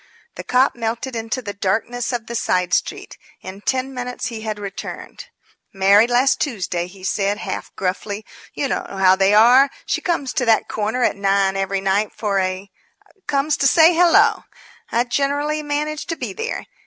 The cop melted into the darkness of the side street. In ten minutes he had returned. "Married last Tuesday," he said, half gruffly. "You know how they are. She comes to that corner at nine every night for a comes to say 'hello!' I generally manage to be there.